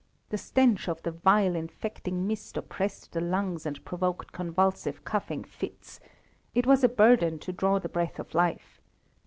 The stench of the vile, infecting mist oppressed the lungs and provoked convulsive coughing fits; it was a burden to draw the breath of life.